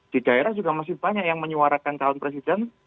di daerah juga masih banyak yang menyuarakan calon presiden